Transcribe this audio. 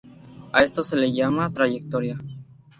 A esto se le llama trayectoria.